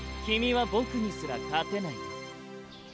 君は僕にすら勝てないよ。